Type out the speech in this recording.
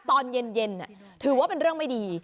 ตอนเย็นถือว่าเป็นเรื่องไม่ดี